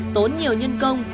tốn nhiều nhân công